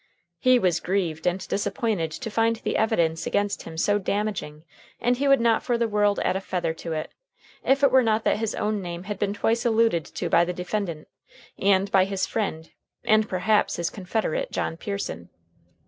He was grieved and disappointed to find the evidence against him so damaging and he would not for the world add a feather to it, if it were not that his own name had been twice alluded to by the defendant, and by his friend, and perhaps his confederate, John Pearson.